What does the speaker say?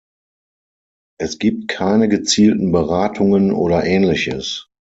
Es gibt keine gezielten Beratungen oder ähnliches.